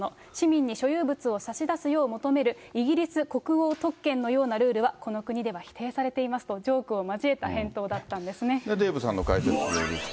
市民に所有物を差し出すよう求めるイギリス国王特権のようなルールは、この国では否定されていますと、ジョークを交えた返答だっデーブさんの解説でいくと。